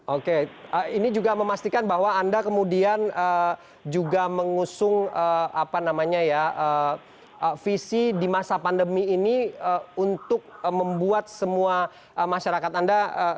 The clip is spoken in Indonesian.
oke ini juga memastikan bahwa anda kemudian juga mengusung visi di masa pandemi ini untuk membuat semua masyarakat anda